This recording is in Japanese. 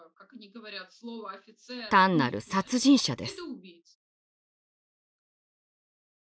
単なる殺人者です。